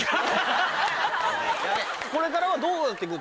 これからはどうなって行く？